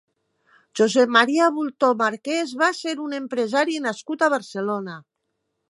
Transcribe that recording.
Josep Maria Bultó Marquès va ser un empresari nascut a Barcelona.